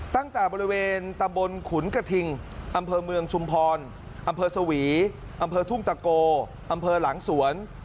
ตั้งแต่บริเวณตำบลขุนกระทิงอำเภอเมืองชุมพรอำเภอสวีอำเภอทุ่งตะโกอำเภอหลังสวน